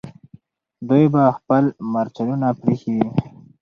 دوی به خپل مرچلونه پرېښي وي.